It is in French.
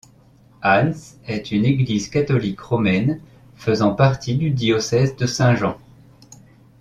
Ann's est une église catholique romaine faisant partie du diocèse de Saint-Jean.